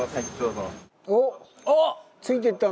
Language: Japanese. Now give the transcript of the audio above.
おっおっ！